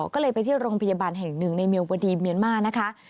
ก็เลยไปที่โรงพยาบาลแห่งหนึ่งในเมียวดีเมียนมาร์นะคะ